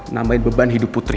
nambahin beban hidup putri